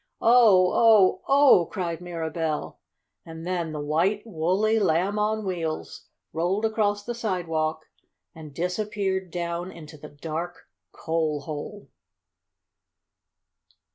"Oh! Oh! Oh!" cried Mirabell. And then the white, woolly Lamb on Wheels rolled across the sidewalk, and disappeared down into the dark coal hole!